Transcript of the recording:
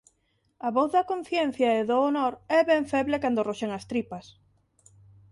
A voz da conciencia e do honor é ben feble cando roxen as tripas.